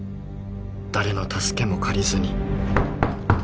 誰の助けも借りずに